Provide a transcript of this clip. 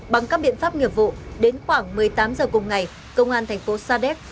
bằng các biện pháp nghiệp vụ đến khoảng một mươi tám h cùng ngày công an thành phố sa đéc